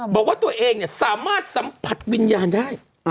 บอกว่าตัวเองสามารถสัมผัสวิญญาณได้